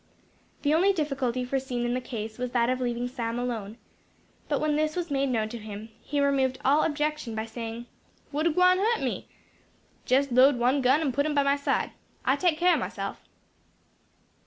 The only difficulty foreseen in the case, was that of leaving Sam alone; but when this was made known to him, he removed all objection by saying: "Wuddah gwine hu't me?[#] Jes load one gun, and put um by my side. I take care o' myself."